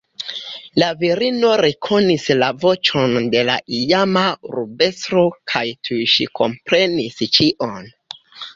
La virino rekonis la voĉon de la iama urbestro kaj tuj ŝi komprenis ĉion.